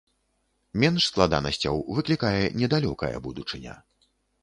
Менш складанасцяў выклікае недалёкая будучыня.